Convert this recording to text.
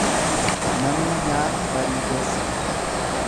Namni nyaata barii keessa.